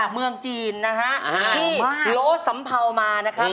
คุณต้องมีส่วนร่วมสิครับ